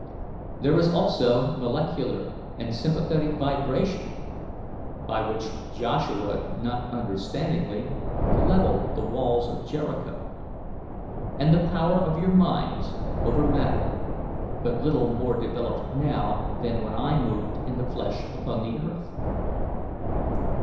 There is also molecular and sympathetic vibration, by which Joshua not understandingly levelled the walls of Jericho; and the power of your minds over matter, but little more developed now than when I moved in the flesh upon the earth.